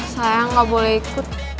sayang gak boleh ikut